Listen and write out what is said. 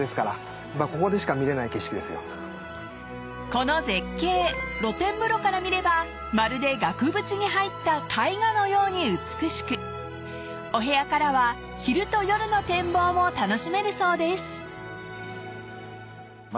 ［この絶景露天風呂から見ればまるで額縁に入った絵画のように美しくお部屋からは昼と夜の展望も楽しめるそうです］